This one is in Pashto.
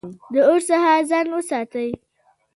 د اور څخه ځان وساتئ